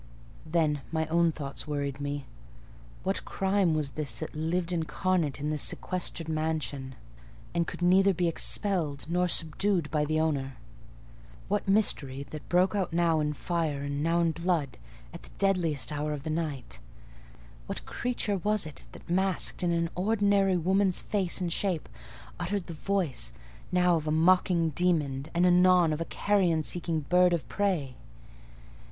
Then my own thoughts worried me. What crime was this, that lived incarnate in this sequestered mansion, and could neither be expelled nor subdued by the owner?—what mystery, that broke out now in fire and now in blood, at the deadest hours of night? What creature was it, that, masked in an ordinary woman's face and shape, uttered the voice, now of a mocking demon, and anon of a carrion seeking bird of prey?